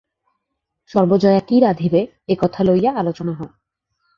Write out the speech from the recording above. সর্বজয়া কি রাঁধিবে একথা লইয়া আলোচনা হয়।